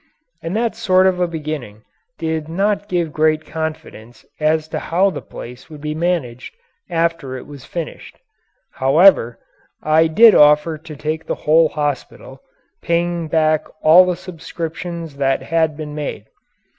And that sort of a beginning did not give great confidence as to how the place would be managed after it was finished. However, I did offer to take the whole hospital, paying back all the subscriptions that had been made.